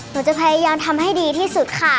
หนูจะพยายามทำให้ดีที่สุดค่ะ